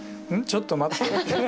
ちょっと待ってって。